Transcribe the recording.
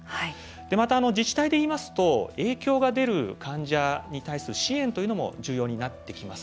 また自治体でいいますと影響が出る患者に対する支援というのも重要になってきます。